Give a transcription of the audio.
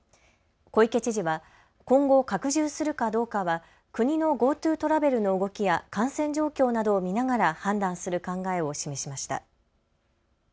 小池知事は今後、拡充するかどうかは国のＧｏＴｏトラベルの動きや感染状況などを見ながら判断する考えを示しました。